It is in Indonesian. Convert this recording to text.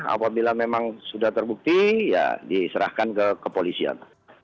apabila memang sudah terbukti ya diserahkan ke kepolisian